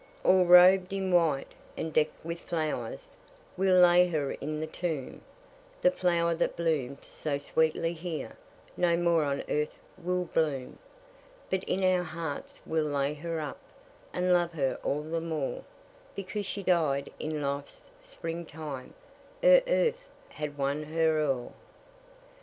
All robed in white, and decked with flowers, We'll lay her in the tomb; The flower that bloomed so sweetly here, No more on earth will bloom; But in our hearts we'll lay her up, And love her all the more, Because she died in life's spring time, Ere earth had won her o'er.